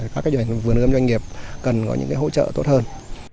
các vườn ưm doanh nghiệp cần có những hỗ trợ tốt hơn